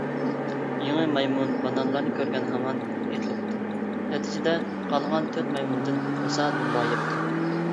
يېڭى مايمۇن بانانلارنى كۆرگەن ھامان ئېتىلىپتۇ، نەتىجىدە، قالغان تۆت مايمۇندىن راسا دۇمبا يەپتۇ.